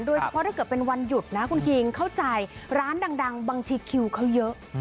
ถ้าเกิดเป็นวันหยุดนะคุณคิงเข้าใจร้านดังบางทีคิวเขาเยอะ